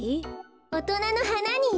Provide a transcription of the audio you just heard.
おとなのはなによ。